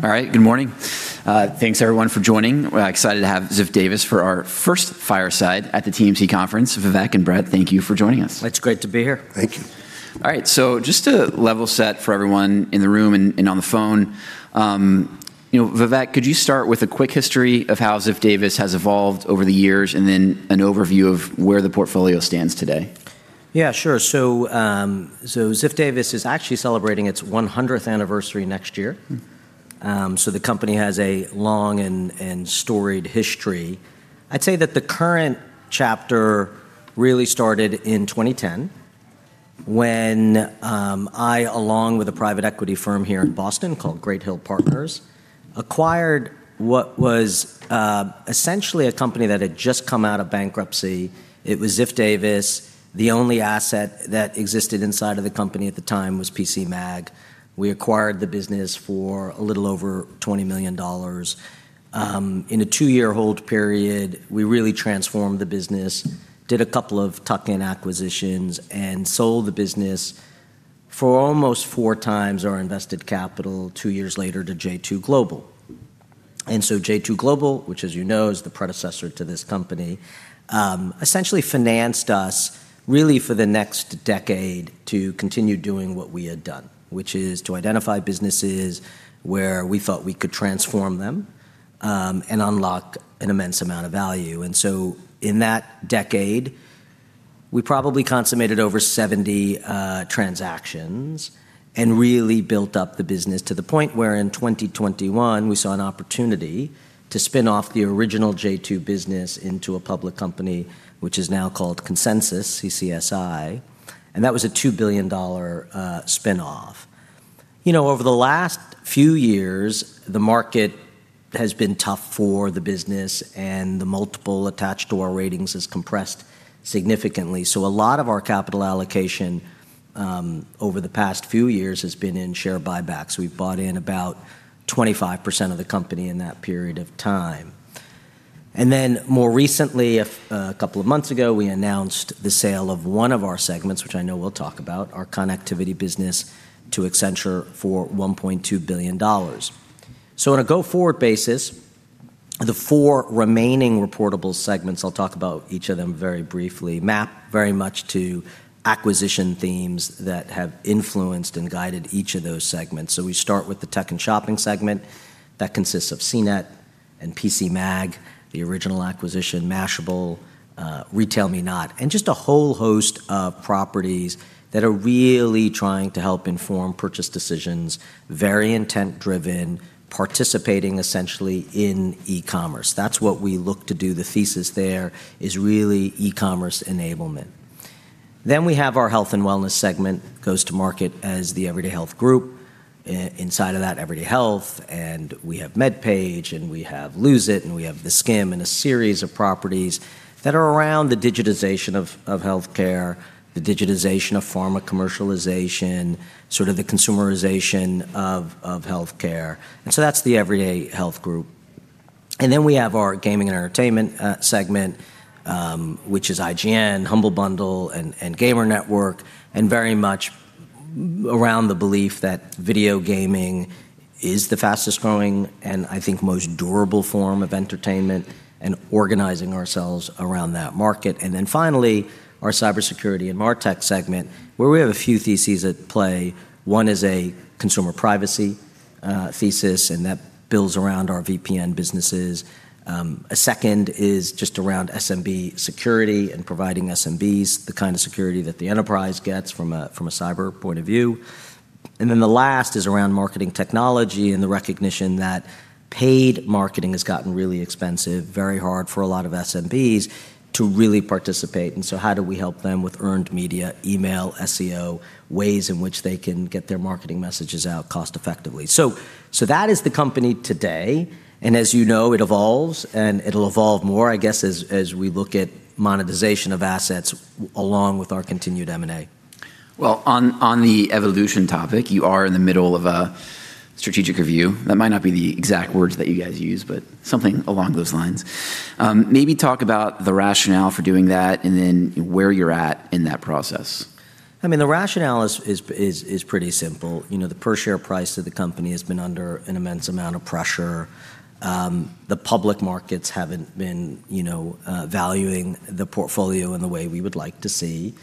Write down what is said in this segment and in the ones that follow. All right. Good morning. Thanks everyone for joining. We're excited to have Ziff Davis for our first fireside at the TMC conference. Vivek and Bret, thank you for joining us. It's great to be here. Thank you. All right. Just to level set for everyone in the room and on the phone, you know, Vivek, could you start with a quick history of how Ziff Davis has evolved over the years, and then an overview of where the portfolio stands today? Yeah, sure. Ziff Davis is actually celebrating its 100th anniversary next year. The company has a long and storied history. I'd say that the current chapter really started in 2010 when I along with a private equity firm here in Boston called Great Hill Partners, acquired what was essentially a company that had just come out of bankruptcy. It was Ziff Davis. The only asset that existed inside of the company at the time was PCMag. We acquired the business for a little over $20 million. In a two-year hold period, we really transformed the business, did a couple of tuck-in acquisitions and sold the business for almost 4x our invested capital two years later to J2 Global. J2 Global, which as you know is the predecessor to this company, essentially financed us for the next decade to continue doing what we had done, which is to identify businesses where we thought we could transform them and unlock an immense amount of value. In that decade, we probably consummated over 70 transactions and really built up the business to the point where in 2021 we saw an opportunity to spin off the original J2 business into a public company, which is now called Consensus, CCSI, and that was a $2 billion spin-off. You know, over the last few years, the market has been tough for the business, and the multiple attached to our ratings has compressed significantly. A lot of our capital allocation over the past few years has been in share buybacks. We've bought in about 25% of the company in that period of time. More recently, a couple of months ago, we announced the sale of one of our segments, which I know we'll talk about, our Connectivity business to Accenture for $1.2 billion. On a go-forward basis, the four remaining reportable segments, I'll talk about each of them very briefly, map very much to acquisition themes that have influenced and guided each of those segments. We start with the Tech and Shopping segment that consists of CNET and PCMag, the original acquisition, Mashable, RetailMeNot, and just a whole host of properties that are really trying to help inform purchase decisions, very intent-driven, participating essentially in e-commerce. That's what we look to do. The thesis there is really e-commerce enablement. We have our health and wellness segment, goes to market as the Everyday Health Group. Inside of that, Everyday Health, and we have MedPage Today, and we have Lose It!, and we have theSkimm and a series of properties that are around the digitization of healthcare, the digitization of pharma commercialization, sort of the consumerization of healthcare. That's the Everyday Health Group. We have our gaming and entertainment, segment, which is IGN, Humble Bundle and Gamer Network, and very much around the belief that video gaming is the fastest-growing and I think most durable form of entertainment and organizing ourselves around that market. Finally, our cybersecurity and MarTech segment, where we have a few theses at play. One is a consumer privacy, thesis, and that builds around our VPN businesses. A second is just around SMB security and providing SMBs the kind of security that the enterprise gets from a cyber point of view. The last is around marketing technology and the recognition that paid marketing has gotten really expensive, very hard for a lot of SMBs to really participate. How do we help them with earned media, email, SEO, ways in which they can get their marketing messages out cost effectively? So that is the company today, and as you know, it evolves, and it'll evolve more, I guess, as we look at monetization of assets along with our continued M&A. Well, on the evolution topic, you are in the middle of a strategic review. That might not be the exact words that you guys use, but something along those lines. Maybe talk about the rationale for doing that and then where you're at in that process. I mean, the rationale is pretty simple. You know, the per share price of the company has been under an immense amount of pressure. The public markets haven't been, you know, valuing the portfolio in the way we would like to see.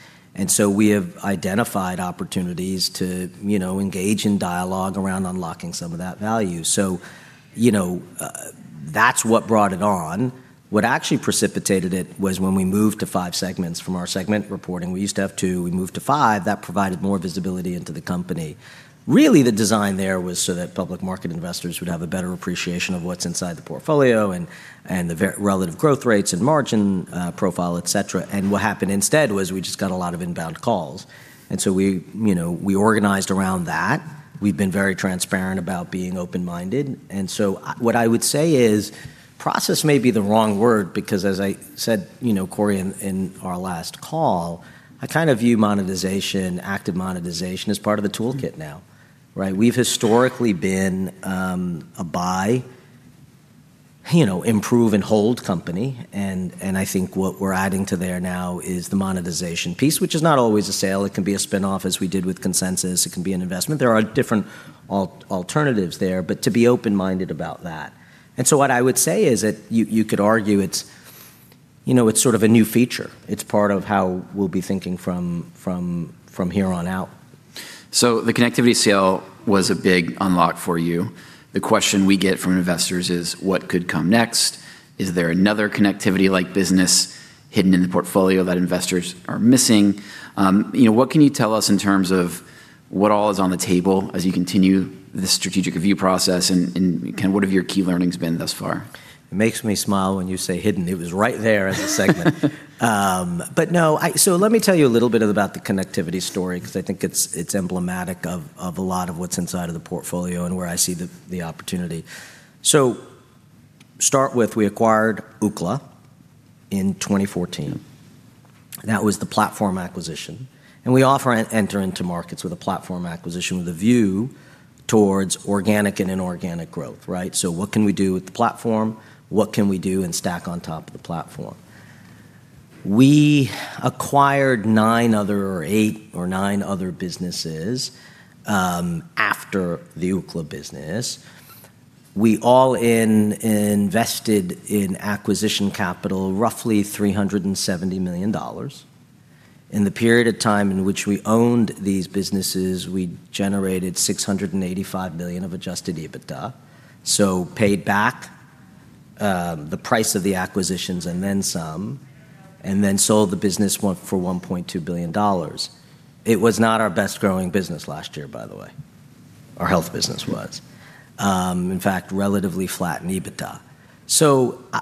We have identified opportunities to, you know, engage in dialogue around unlocking some of that value. You know, that's what brought it on. What actually precipitated it was when we moved to five segments from our segment reporting. We used to have two, we moved to five. That provided more visibility into the company. Really, the design there was so that public market investors would have a better appreciation of what's inside the portfolio and the relative growth rates and margin profile, et cetera. What happened instead was we just got a lot of inbound calls. We, you know, we organized around that. We've been very transparent about being open-minded. What I would say is process may be the wrong word because as I said, you know, Cory, in our last call, I kind of view monetization, active monetization as part of the toolkit now, right? We've historically been a buy, you know, improve and hold company. I think what we're adding to there now is the monetization piece, which is not always a sale. It can be a spin-off as we did with Consensus. It can be an investment. There are different alternatives there, but to be open-minded about that. What I would say is that you could argue it's, you know, it's sort of a new feature. It's part of how we'll be thinking from here on out. The Connectivity sale was a big unlock for you. The question we get from investors is, what could come next? Is there another Connectivity-like business hidden in the portfolio that investors are missing? You know, what can you tell us in terms of what all is on the table as you continue the strategic review process and kind of what have your key learnings been thus far? It makes me smile when you say hidden. It was right there as a segment. No, let me tell you a little bit about the Connectivity story because I think it's emblematic of a lot of what's inside of the portfolio and where I see the opportunity. Start with we acquired Ookla in 2014. That was the platform acquisition, we often enter into markets with a platform acquisition with a view towards organic and inorganic growth, right? What can we do with the platform? What can we do and stack on top of the platform? We acquired eight or nine other businesses after the Ookla business. We all in invested in acquisition capital roughly $370 million. In the period of time in which we owned these businesses, we generated $685 million of adjusted EBITDA. Paid back the price of the acquisitions and then some, and then sold the business for $1.2 billion. It was not our best growing business last year, by the way. Our health business was. In fact, relatively flat in EBITDA.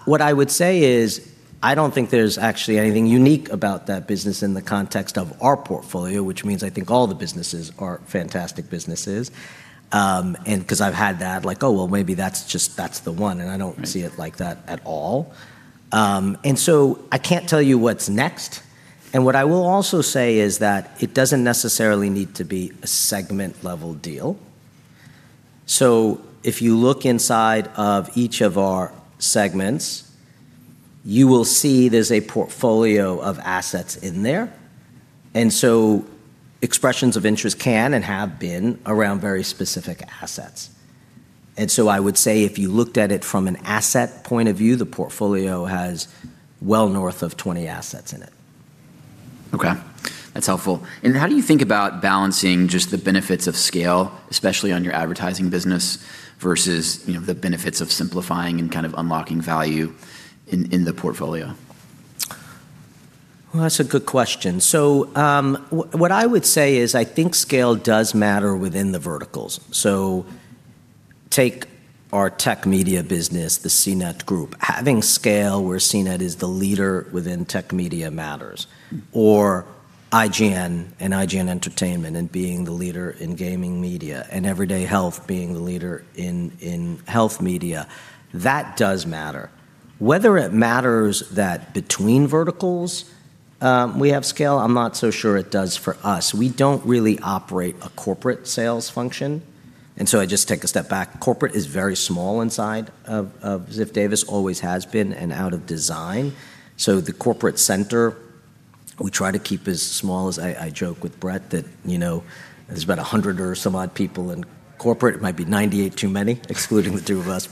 What I would say is, I don't think there's actually anything unique about that business in the context of our portfolio, which means I think all the businesses are fantastic businesses. Because I've had that like, "Oh, well, maybe that's the one," and I don't see it like that at all. I can't tell you what's next. What I will also say is that it doesn't necessarily need to be a segment-level deal. If you look inside of each of our segments, you will see there's a portfolio of assets in there. Expressions of interest can and have been around very specific assets. I would say if you looked at it from an asset point of view, the portfolio has well north of 20 assets in it. Okay. That's helpful. How do you think about balancing just the benefits of scale, especially on your advertising business, versus, you know, the benefits of simplifying and kind of unlocking value in the portfolio? Well, that's a good question. What I would say is I think scale does matter within the verticals. Take our tech media business, the CNET Group. Having scale where CNET is the leader within tech media matters, or IGN and IGN Entertainment and being the leader in gaming media, and Everyday Health being the leader in health media. That does matter. Whether it matters that between verticals, we have scale, I'm not so sure it does for us. We don't really operate a corporate sales function, I just take a step back. Corporate is very small inside of Ziff Davis, always has been and out of design. The corporate center, we try to keep as small as I joke with Bret that, you know, there's about 100 or some odd people in corporate. It might be 98 too many, excluding the two of us.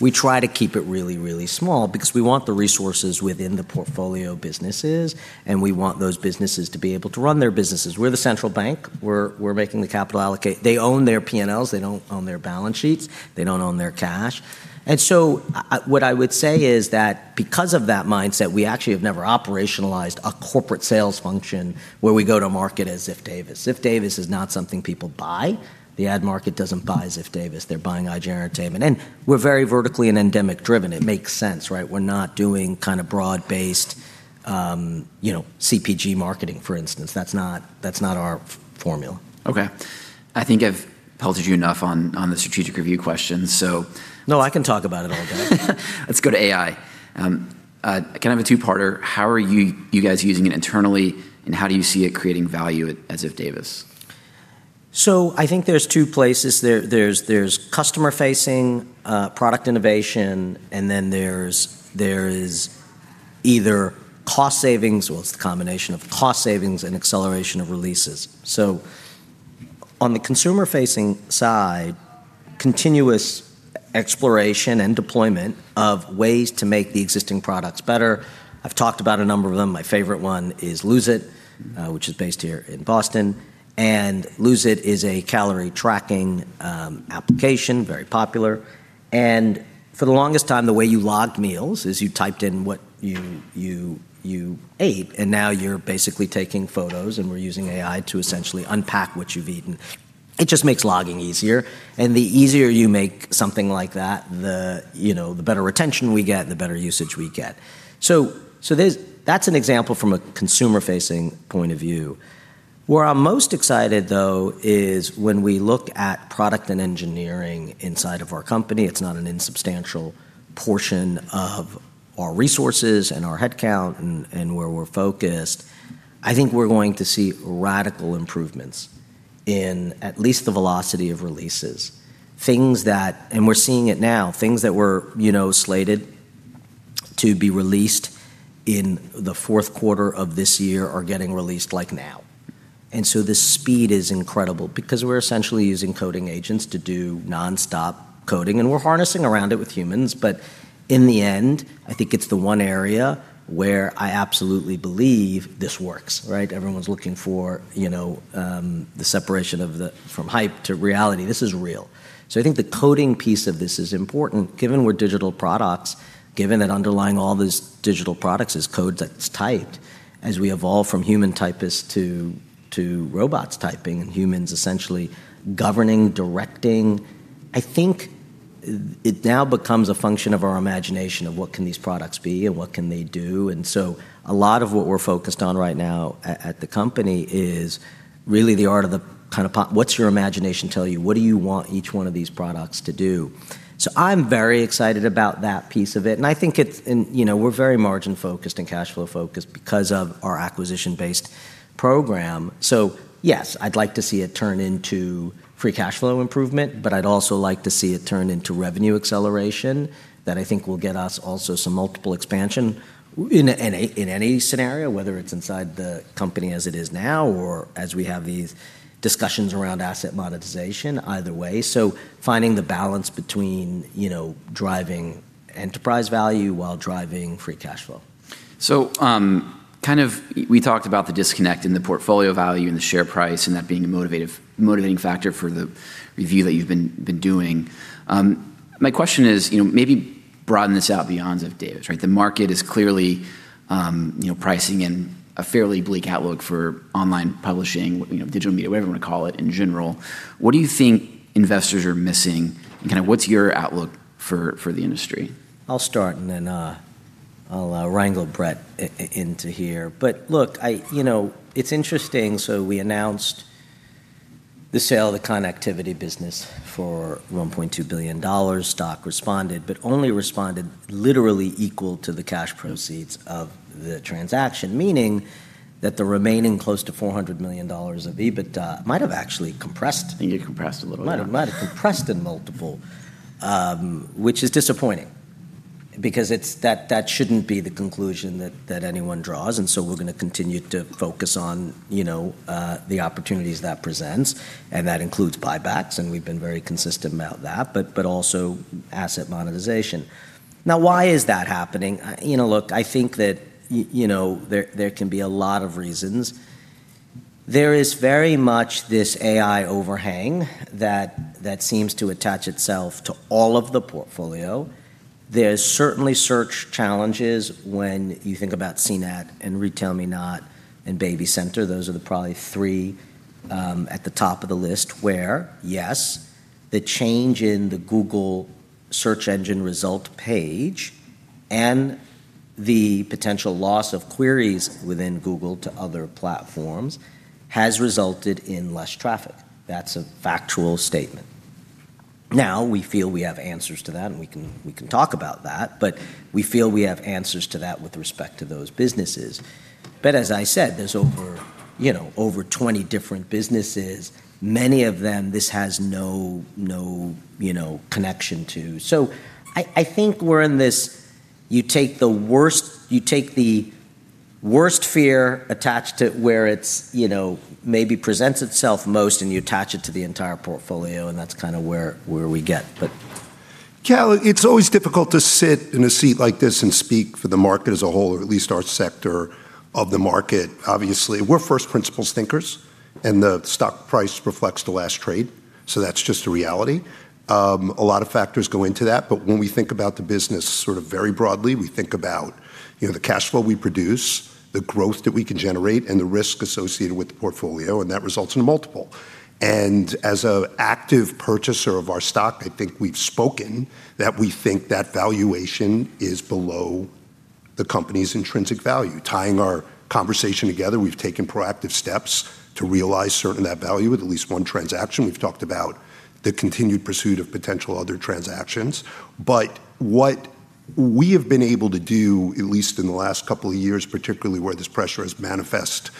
We try to keep it really, really small because we want the resources within the portfolio businesses, and we want those businesses to be able to run their businesses. We're the central bank. We're making the capital allocate. They own their P&Ls. They don't own their balance sheets. They don't own their cash. What I would say is that because of that mindset, we actually have never operationalized a corporate sales function where we go to market as Ziff Davis. Ziff Davis is not something people buy. The ad market doesn't buy Ziff Davis. They're buying IGN Entertainment. We're very vertically and endemic driven. It makes sense, right? We're not doing kind of broad-based, you know, CPG marketing, for instance. That's not our formula. Okay. I think I've pelted you enough on the strategic review question. No, I can talk about it all day. Let's go to AI. Kind of a two-parter, how are you guys using it internally, and how do you see it creating value at Ziff Davis? I think there's two places. There's customer-facing, product innovation, there's, there is either cost savings or it's the combination of cost savings and acceleration of releases. On the consumer-facing side, continuous exploration and deployment of ways to make the existing products better. I've talked about a number of them. My favorite one is Lose It!, which is based here in Boston. Lose It! is a calorie-tracking application, very popular. For the longest time, the way you logged meals is you typed in what you ate, now you're basically taking photos, and we're using AI to essentially unpack what you've eaten. It just makes logging easier. The easier you make something like that, the, you know, the better retention we get and the better usage we get. That's an example from a consumer-facing point of view. Where I'm most excited, though, is when we look at product and engineering inside of our company. It's not an insubstantial portion of our resources and our headcount and where we're focused. I think we're going to see radical improvements in at least the velocity of releases, things that, and we're seeing it now, things that were, you know, slated to be released in the fourth quarter of this year are getting released like now. The speed is incredible because we're essentially using coding agents to do nonstop coding and we're harnessing around it with humans. In the end, I think it's the one area where I absolutely believe this works, right? Everyone's looking for, you know, the separation of the, from hype to reality. This is real. I think the coding piece of this is important given we're digital products, given that underlying all these digital products is code that's typed. As we evolve from human typists to robots typing and humans essentially governing, directing, I think it now becomes a function of our imagination of what can these products be and what can they do. A lot of what we're focused on right now at the company is really the art of the kind of what's your imagination tell you? What do you want each one of these products to do? I'm very excited about that piece of it. I think it's, you know, we're very margin focused and cash flow focused because of our acquisition based program. Yes, I'd like to see it turn into free cashflow improvement, but I'd also like to see it turn into revenue acceleration that I think will get us also some multiple expansion in any scenario, whether it's inside the company as it is now, or as we have these discussions around asset monetization either way. Finding the balance between, you know, driving enterprise value while driving free cashflow. Kind of, we talked about the disconnect in the portfolio value and the share price and that being a motivating factor for the review that you've been doing. My question is, you know, maybe broaden this out beyond Ziff Davis, right? The market is clearly, you know, pricing in a fairly bleak outlook for online publishing, you know, digital media, whatever you want to call it in general. What do you think investors are missing and kind of what's your outlook for the industry? I'll start and then I'll wrangle Bret into here. Look, you know, it's interesting. We announced the sale of the Connectivity business for $1.2 billion. Stock responded, but only responded literally equal to the cash proceeds of the transaction, meaning that the remaining close to $400 million of EBITDA might have actually compressed. I think it compressed a little, yeah. Might have compressed in multiple, which is disappointing because that shouldn't be the conclusion that anyone draws. We're going to continue to focus on, you know, the opportunities that presents, and that includes buybacks, and we've been very consistent about that, but also asset monetization. Now, why is that happening? You know, look, I think that, you know, there can be a lot of reasons. There is very much this AI overhang that seems to attach itself to all of the portfolio. There's certainly search challenges when you think about CNET and RetailMeNot and BabyCenter. Those are the probably three at the top of the list where, yes, the change in the Google search engine result page and the potential loss of queries within Google to other platforms has resulted in less traffic. That's a factual statement. Now, we feel we have answers to that, and we can talk about that, but we feel we have answers to that with respect to those businesses. As I said, there's over, you know, over 20 different businesses. Many of them, this has no, you know, connection to. I think we're in this, you take the worst fear attached to where it's, you know, maybe presents itself most, and you attach it to the entire portfolio, and that's kind of where we get. Cory, it's always difficult to sit in a seat like this and speak for the market as a whole, or at least our sector of the market. Obviously, we're first principles thinkers, and the stock price reflects the last trade. That's just a reality. A lot of factors go into that. When we think about the business sort of very broadly, we think about, you know, the cash flow we produce, the growth that we can generate, and the risk associated with the portfolio, and that results in a multiple. As an active purchaser of our stock, I think we've spoken that we think that valuation is below the company's intrinsic value. Tying our conversation together, we've taken proactive steps to realize certain of that value with at least one transaction. We've talked about the continued pursuit of potential other transactions. What we have been able to do, at least in the last couple of years, particularly where this pressure has manifest,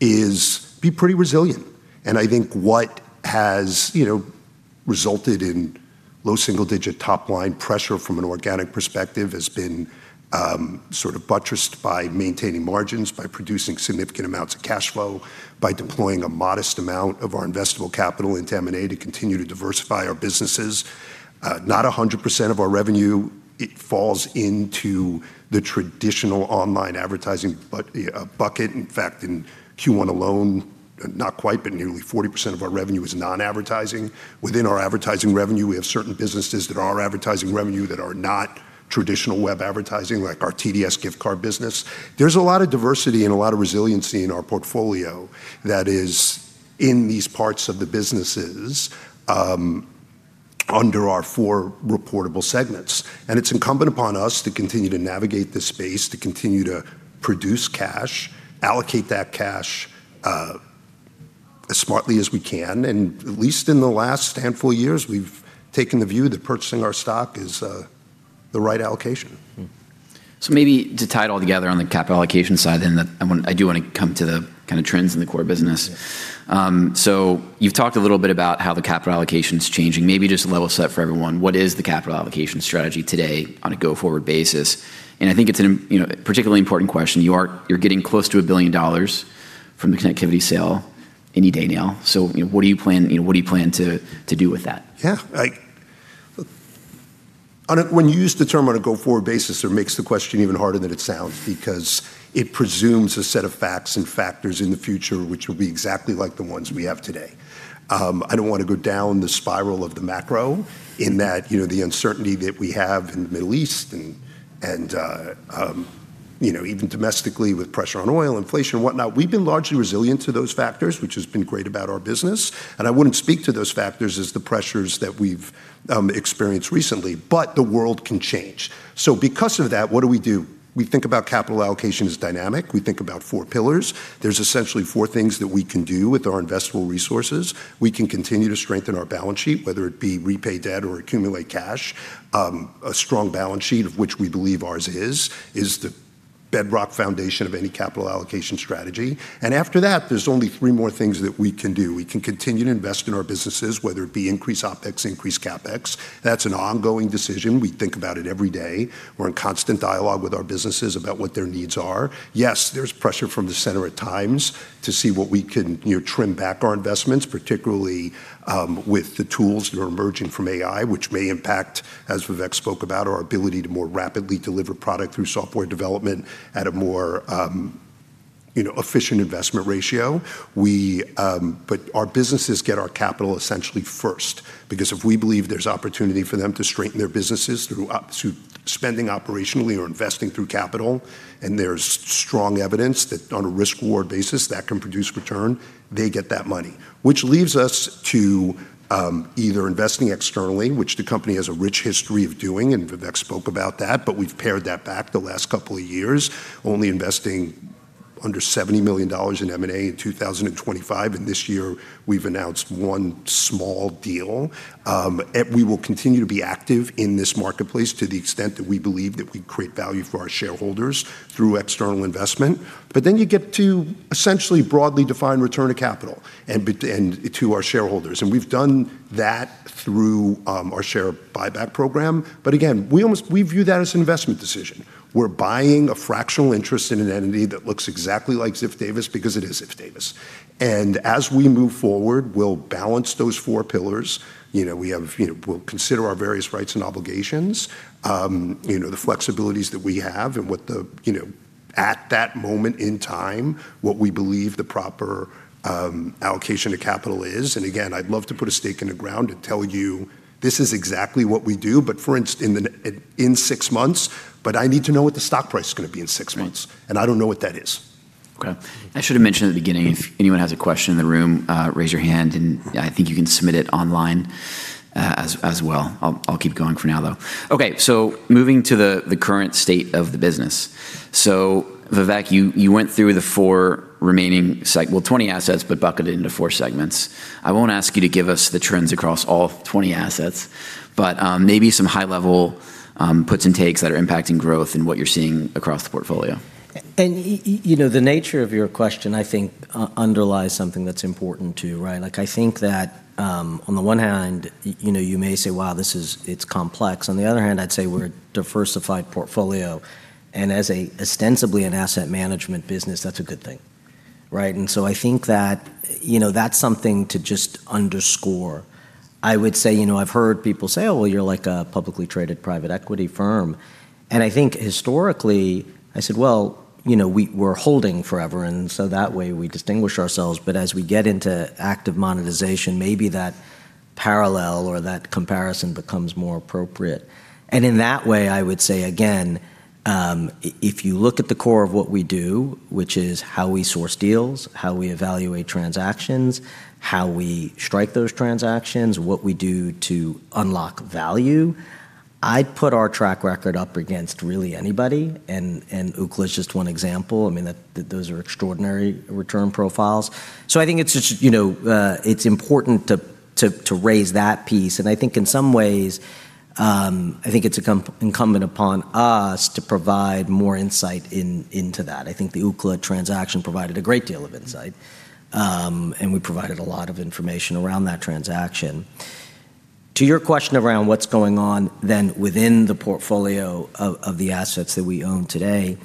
is be pretty resilient. I think what has, you know, resulted in low single-digit top-line pressure from an organic perspective has been sort of buttressed by maintaining margins, by producing significant amounts of cash flow, by deploying a modest amount of our investable capital into M&A to continue to diversify our businesses. Not 100% of our revenue, it falls into the traditional online advertising bucket. In fact, in Q1 alone, not quite, but nearly 40% of our revenue is non-advertising. Within our advertising revenue, we have certain businesses that are advertising revenue that are not traditional web advertising, like our TDS Gift Cards business. There's a lot of diversity and a lot of resiliency in our portfolio that is in these parts of the businesses under our four reportable segments. It's incumbent upon us to continue to navigate this space, to continue to produce cash, allocate that cash as smartly as we can. At least in the last handful of years, we've taken the view that purchasing our stock is the right allocation. Maybe to tie it all together on the capital allocation side, I do want to come to the kind of trends in the core business. You've talked a little bit about how the capital allocation's changing. Maybe just level set for everyone, what is the capital allocation strategy today on a go-forward basis? I think it's an, you know, particularly important question. You're getting close to $1 billion from the Connectivity sale any day now. You know, what do you plan, you know, what do you plan to do with that? Yeah. Like, when you use the term on a go-forward basis, it makes the question even harder than it sounds because it presumes a set of facts and factors in the future which will be exactly like the ones we have today. I don't wanna go down the spiral of the macro in that, you know, the uncertainty that we have in the Middle East and, you know, even domestically with pressure on oil, inflation, whatnot. We've been largely resilient to those factors, which has been great about our business, and I wouldn't speak to those factors as the pressures that we've experienced recently. The world can change. Because of that, what do we do? We think about capital allocation as dynamic. We think about four pillars. There's essentially four things that we can do with our investable resources. We can continue to strengthen our balance sheet, whether it be repay debt or accumulate cash. A strong balance sheet, of which we believe ours is the bedrock foundation of any capital allocation strategy. After that, there's only three more things that we can do. We can continue to invest in our businesses, whether it be increase OpEx, increase CapEx. That's an ongoing decision. We think about it every day. We're in constant dialogue with our businesses about what their needs are. Yes, there's pressure from the center at times to see what we can, you know, trim back our investments, particularly with the tools that are emerging from AI, which may impact, as Vivek spoke about, our ability to more rapidly deliver product through software development at a more, you know, efficient investment ratio. Our businesses get our capital essentially first, because if we believe there's opportunity for them to strengthen their businesses through spending operationally or investing through capital, and there's strong evidence that on a risk-reward basis that can produce return, they get that money. Which leaves us to either investing externally, which the company has a rich history of doing, and Vivek spoke about that, but we've pared that back the last couple of years, only investing under $70 million in M&A in 2025. This year, we've announced one small deal. We will continue to be active in this marketplace to the extent that we believe that we create value for our shareholders through external investment. Then you get to essentially broadly defined return of capital and to our shareholders. We've done that through our share buyback program. Again, we view that as an investment decision. We're buying a fractional interest in an entity that looks exactly like Ziff Davis because it is Ziff Davis. As we move forward, we'll balance those four pillars. You know, we have, you know, we'll consider our various rights and obligations, you know, the flexibilities that we have and what the, you know, at that moment in time, what we believe the proper allocation of capital is. Again, I'd love to put a stake in the ground and tell you this is exactly what we do, but in six months, but I need to know what the stock price is gonna be in six months. Right. I don't know what that is. Okay. I should have mentioned at the beginning, if anyone has a question in the room, raise your hand, and I think you can submit it online as well. I'll keep going for now, though. Okay. Moving to the current state of the business. Vivek, you went through the 20 assets, but bucketed into four segments. I won't ask you to give us the trends across all 20 assets, but maybe some high-level puts and takes that are impacting growth and what you're seeing across the portfolio. You know, the nature of your question, I think, underlies something that's important too, right? I think that, on the one hand, you know, you may say, "Wow, it's complex." On the other hand, I'd say we're a diversified portfolio, and as ostensibly an asset management business, that's a good thing, right? I think that, you know, that's something to just underscore. I would say, you know, I've heard people say, "Oh, well, you're like a publicly traded private equity firm." I think historically, I said, "Well, you know, we're holding forever, and so that way we distinguish ourselves." As we get into active monetization, maybe that parallel or that comparison becomes more appropriate. In that way, I would say again, if you look at the core of what we do, which is how we source deals, how we evaluate transactions, how we strike those transactions, what we do to unlock value, I'd put our track record up against really anybody, and Ookla is just one example. I mean, that, those are extraordinary return profiles. I think it's just, you know, it's important to, to raise that piece, and I think in some ways, I think it's incumbent upon us to provide more insight into that. I think the Ookla transaction provided a great deal of insight, and we provided a lot of information around that transaction. To your question around what's going on then within the portfolio of the assets that we own today,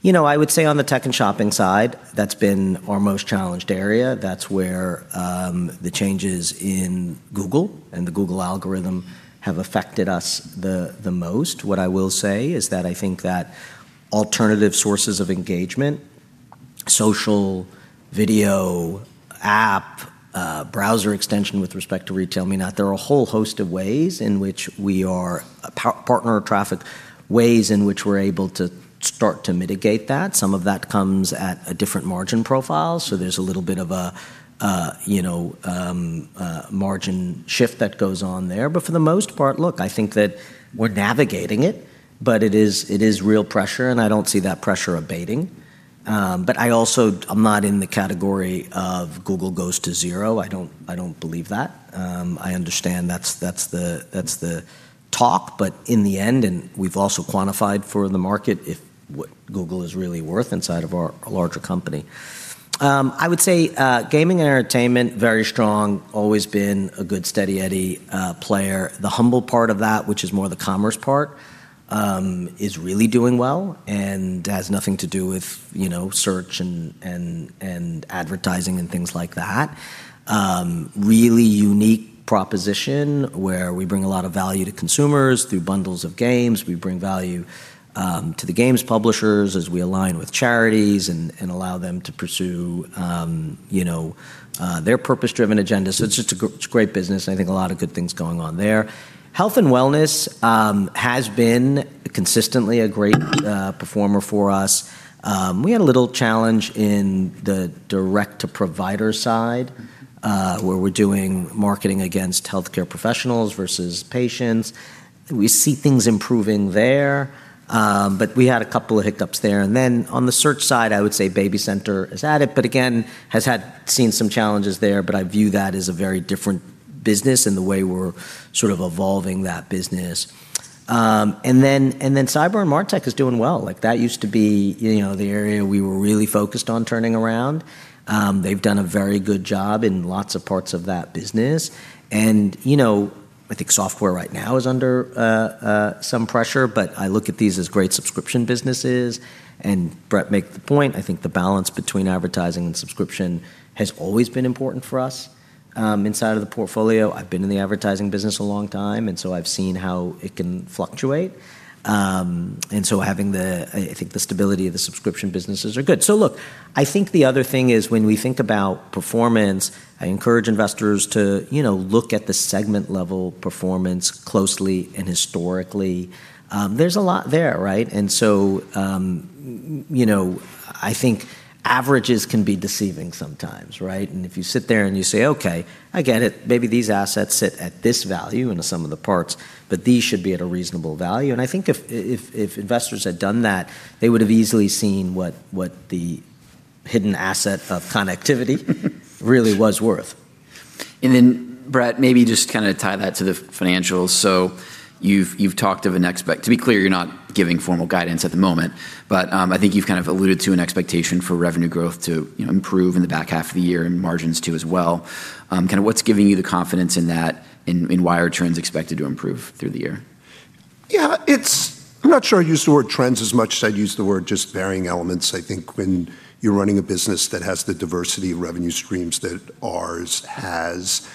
you know, I would say on the tech and shopping side, that's been our most challenged area. That's where the changes in Google and the Google algorithm have affected us the most. What I will say is that I think that alternative sources of engagement, social, video, app, browser extension with respect to RetailMeNot, there are a whole host of ways in which we are partner traffic, ways in which we're able to start to mitigate that. Some of that comes at a different margin profile, so there's a little bit of a, you know, a margin shift that goes on there. For the most part, look, I think that we're navigating it is real pressure, and I don't see that pressure abating. I also am not in the category of Google goes to zero. I don't believe that. I understand that's the talk. In the end, and we've also quantified for the market what Google is really worth inside of our larger company. I would say, gaming and entertainment, very strong, always been a good steady eddy player. The Humble part of that, which is more the commerce part, is really doing well and has nothing to do with, you know, search and advertising and things like that. Really unique proposition where we bring a lot of value to consumers through bundles of games. We bring value to the games publishers as we align with charities and allow them to pursue, you know, their purpose-driven agenda. It's just a great business, and I think a lot of good things going on there. Health and wellness has been consistently a great performer for us. We had a little challenge in the direct-to-provider side, where we're doing marketing against healthcare professionals versus patients. We see things improving there, but we had a couple of hiccups there. On the search side, I would say BabyCenter is at it, but again, has had seen some challenges there, but I view that as a very different business in the way we're sort of evolving that business. And then cyber and MarTech is doing well. That used to be, you know, the area we were really focused on turning around. They've done a very good job in lots of parts of that business. You know, I think software right now is under some pressure, but I look at these as great subscription businesses. Bret make the point, I think the balance between advertising and subscription has always been important for us inside of the portfolio. I've been in the advertising business a long time, I've seen how it can fluctuate. Having the, I think the stability of the subscription businesses are good. I think the other thing is when we think about performance, I encourage investors to, you know, look at the segment-level performance closely and historically. There's a lot there, right? You know, I think averages can be deceiving sometimes, right? If you sit there and you say, "Okay, I get it. Maybe these assets sit at this value in the sum of the parts, but these should be at a reasonable value." I think if investors had done that, they would have easily seen what the hidden asset of Connectivity really was worth. Bret, maybe just kinda tie that to the financials. You've talked of an expectation, to be clear, you're not giving formal guidance at the moment, but I think you've kind of alluded to an expectation for revenue growth to, you know, improve in the back half of the year and margins too as well. Kinda what's giving you the confidence in that and why are trends expected to improve through the year? Yeah. It's I'm not sure I'd use the word trends as much as I'd use the word just varying elements. I think when you're running a business that has the diversity of revenue streams that ours has,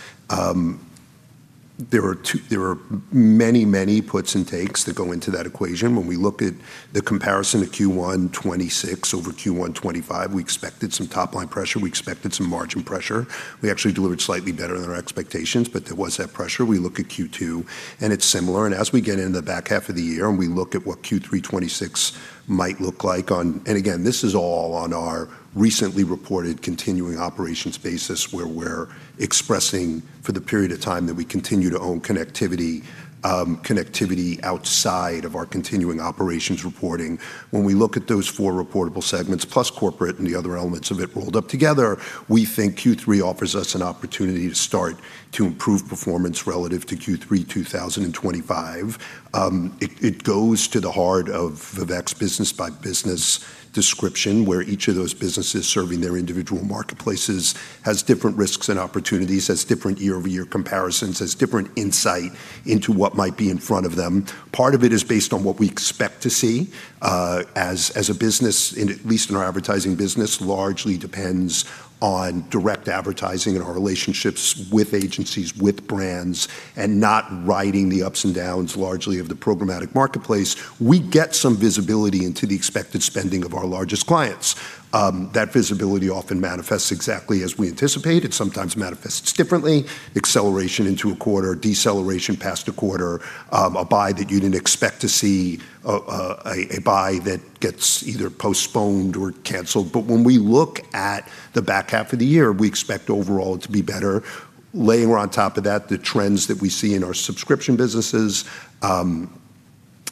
there are many, many puts and takes that go into that equation. When we look at the comparison of Q1 2026 over Q1 2025, we expected some top-line pressure, we expected some margin pressure. We actually delivered slightly better than our expectations, but there was that pressure. We look at Q2, and it's similar. As we get into the back half of the year and we look at what Q3 2026 might look like. Again, this is all on our recently reported continuing operations basis, where we're expressing for the period of time that we continue to own Connectivity outside of our continuing operations reporting. When we look at those four reportable segments plus corporate and the other elements of it rolled up together, we think Q3 offers us an opportunity to start to improve performance relative to Q3 2025. It goes to the heart of Vivek's business-by-business description, where each of those businesses serving their individual marketplaces has different risks and opportunities, has different year-over-year comparisons, has different insight into what might be in front of them. Part of it is based on what we expect to see as a business, at least in our advertising business, largely depends on direct advertising and our relationships with agencies, with brands, and not riding the ups and downs largely of the programmatic marketplace. We get some visibility into the expected spending of our largest clients. That visibility often manifests exactly as we anticipate. It sometimes manifests differently, acceleration into a quarter, deceleration past a quarter, a buy that you didn't expect to see, a buy that gets either postponed or canceled. When we look at the back half of the year, we expect overall to be better. Layer on top of that the trends that we see in our subscription businesses,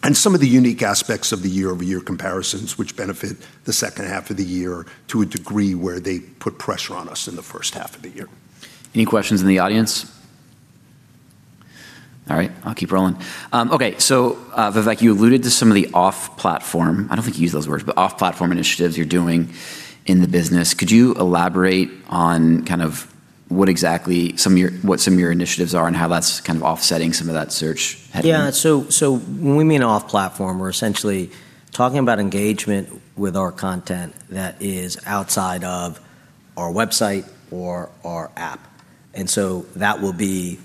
and some of the unique aspects of the year-over-year comparisons, which benefit the second half of the year to a degree where they put pressure on us in the first half of the year. Any questions in the audience? All right, I'll keep rolling. Okay. Vivek, you alluded to some of the off-platform, I don't think you used those words, but off-platform initiatives you're doing in the business. Could you elaborate on kind of what exactly what some of your initiatives are and how that's kind of offsetting some of that search headroom? Yeah. When we mean off-platform, we're essentially talking about engagement with our content that is outside of our website or our app. That will be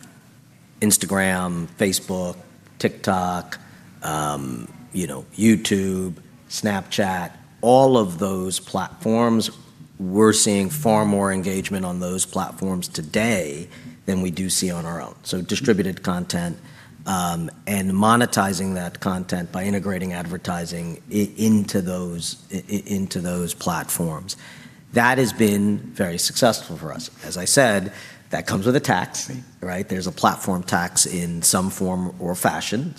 Instagram, Facebook, TikTok, you know, YouTube, Snapchat, all of those platforms. We're seeing far more engagement on those platforms today than we do see on our own. Distributed content, and monetizing that content by integrating advertising into those platforms. That has been very successful for us. As I said, that comes with a tax, right? There's a platform tax in some form or fashion,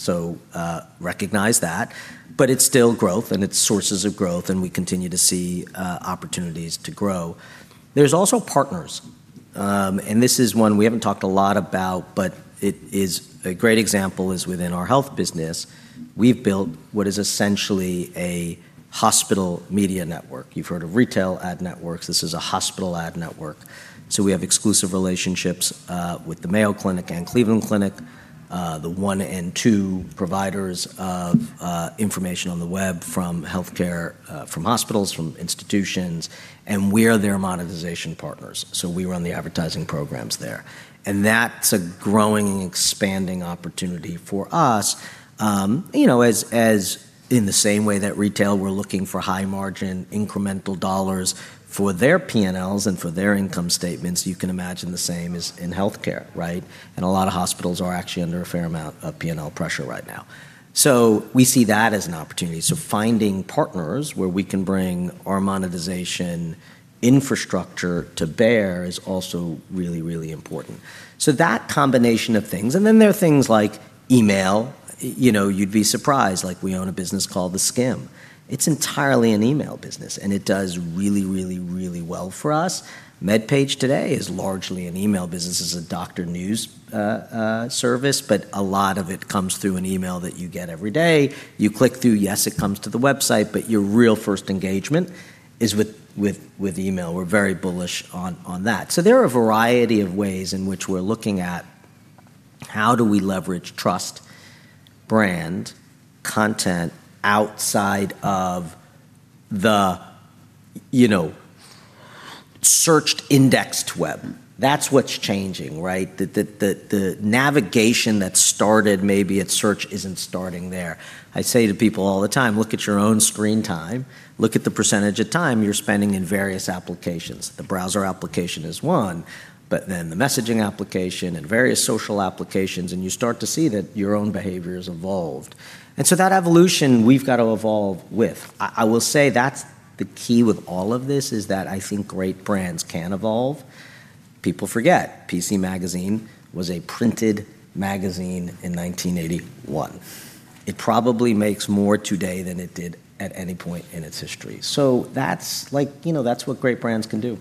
recognize that. It's still growth, and it's sources of growth, and we continue to see opportunities to grow. There's also partners, this is one we haven't talked a lot about, but it is a great example is within our health business, we've built what is essentially a hospital media network. You've heard of retail ad networks, this is a hospital ad network. We have exclusive relationships with the Mayo Clinic and Cleveland Clinic, the one and two providers of information on the web from healthcare, from hospitals, from institutions, and we're their monetization partners. We run the advertising programs there. That's a growing and expanding opportunity for us, you know, as in the same way that retail were looking for high margin, incremental dollars for their P&Ls and for their income statements, you can imagine the same is in healthcare, right? A lot of hospitals are actually under a fair amount of P&L pressure right now. We see that as an opportunity. Finding partners where we can bring our monetization infrastructure to bear is also really, really important. That combination of things. There are things like email. You know, you'd be surprised, like we own a business called theSkimm. It's entirely an email business, and it does really, really, really well for us. MedPage Today is largely an email business. It's a doctor news service, but a lot of it comes through an email that you get every day. You click through, yes, it comes to the website, but your real first engagement is with email. We're very bullish on that. There are a variety of ways in which we're looking at how do we leverage trust, brand, content outside of the you know, searched, indexed web. That's what's changing, right? The navigation that started maybe at search isn't starting there. I say to people all the time, "Look at your own screen time. Look at the percentage of time you're spending in various applications." The browser application is one, but then the messaging application and various social applications, and you start to see that your own behavior's evolved. That evolution we've got to evolve with. I will say that's the key with all of this, is that I think great brands can evolve. People forget, PC Magazine was a printed magazine in 1981. It probably makes more today than it did at any point in its history. That's like, you know, that's what great brands can do.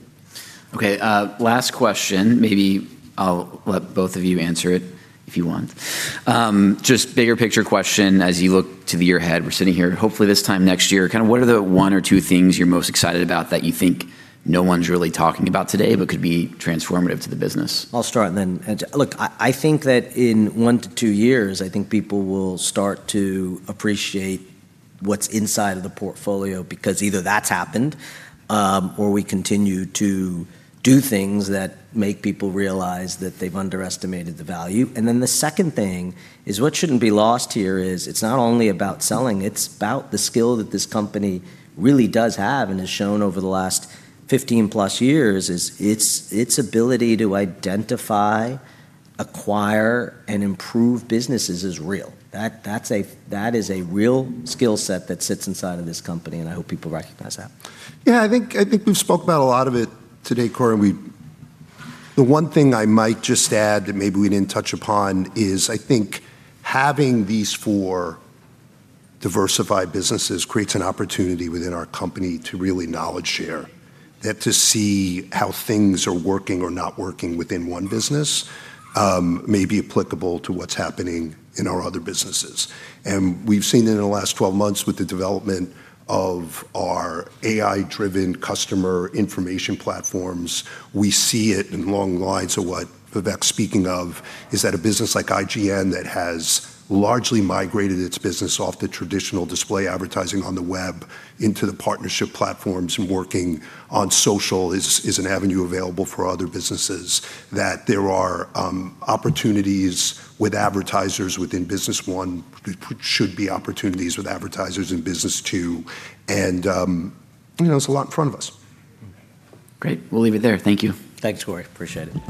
Okay. Last question. Maybe I'll let both of you answer it if you want. Just bigger picture question as you look to the year ahead. We're sitting here hopefully this time next year. Kind of what are the one or two things you're most excited about that you think no one's really talking about today but could be transformative to the business? I'll start. Look, I think that in one to two years, I think people will start to appreciate what's inside of the portfolio because either that's happened, or we continue to do things that make people realize that they've underestimated the value. The second thing is what shouldn't be lost here is it's not only about selling, it's about the skill that this company really does have and has shown over the last 15+ years, is its ability to identify, acquire, and improve businesses is real. That is a real skill set that sits inside of this company. I hope people recognize that. Yeah, I think we've spoke about a lot of it today, Cory. The one thing I might just add that maybe we didn't touch upon is I think having these four diversified businesses creates an opportunity within our company to really knowledge share, that to see how things are working or not working within one business, may be applicable to what's happening in our other businesses. We've seen it in the last 12 months with the development of our AI-driven customer information platforms. We see it along the lines of what Vivek's speaking of, is that a business like IGN that has largely migrated its business off the traditional display advertising on the web into the partnership platforms and working on social is an avenue available for other businesses, that there are opportunities with advertisers within business one, should be opportunities with advertisers in business two, and, you know, there's a lot in front of us. Great. We'll leave it there. Thank you. Thanks, Cory. Appreciate it.